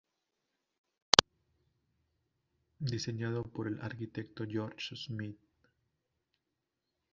Diseñado por el arquitecto George Smith.